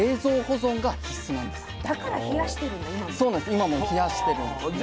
今も冷やしてるんですね。